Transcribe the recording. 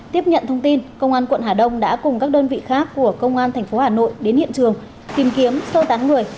tiếp nhận thông tin công an quận hà đông đã cùng các đơn vị khác của công an tp hà nội đến hiện trường tìm kiếm sơ tán người